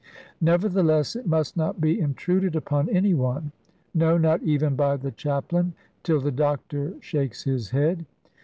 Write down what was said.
Nevertheless it must not be intruded upon any one; no, not even by the chaplain, till the doctor shakes his head.